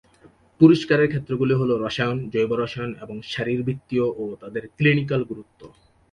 পুরস্কারের ক্ষেত্রগুলি হল রসায়ন, জৈব রসায়ন এবং শারীরবৃত্তীয় ও তাদের ক্লিনিকাল গুরুত্ব।